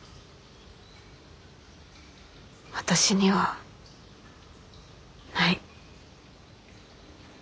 私にはない。